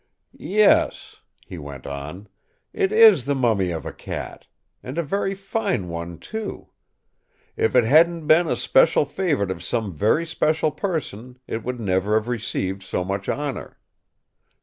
"Yes," he went on, "it is the mummy of a cat; and a very fine one, too. If it hadn't been a special favourite of some very special person it would never have received so much honour.